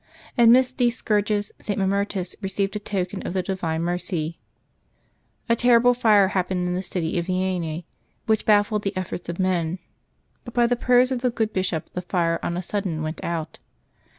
Amidst these scourges, St. Mammertus received a token of the divine mercy. A terrible fire happened in the city of Vienne, which baffled the efforts of men ; but by the prayers of the good bishop the fire on a sudden went out.